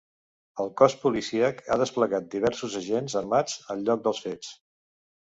El cos policíac ha desplegat diversos agents armats al lloc dels fets.